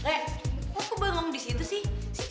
eh kok aku bangun disitu sih